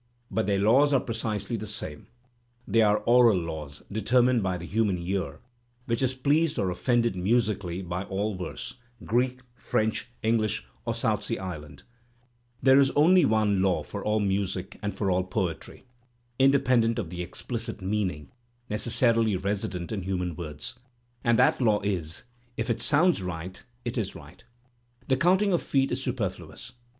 But their laws are precisely the same; they are aural laws, determined by the human ear, which is pleased or offended musically by all verse, Greek, French, English, or South Sea Island, There is only one law for all music and for all poetry (independent of the explicit meaning necessarily resident in human words), and that law is: if it sounds right, it is right. The counting of feet is superfluous.